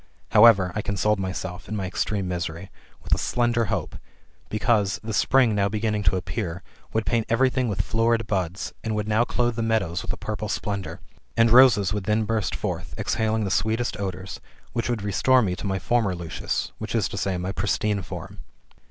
How GOLDEN ASS, OF APULEIUS. — BOOK X. 1 87 ever, I consoled myself in my extreme misery, with a slender y hope; because, the spring now beginning to appear, would paint every thing with florid buds, and would now clothe the meadows with a purple splendour ; and roses would then burst forth, exhaling the sweetest odours, which would restore me to my former Lucius [/>. to my pristine form].